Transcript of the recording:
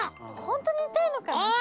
ほんとにいたいのかな？